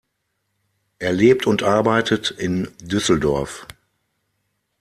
Er lebt und arbeitet in Düsseldorf.